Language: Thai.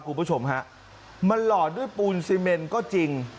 คุณผู้ชมฮะมันหล่อด้วยปูนซีเมนก็จริง